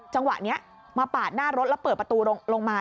จังหวะนี้มาปาดหน้ารถแล้วเปิดประตูลงมา